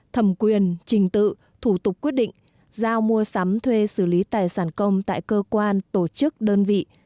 thẩm quyền trình tự thủ tục quyết định giao mua sắm thuê xử lý tài sản công tại cơ quan tổ chức đơn vị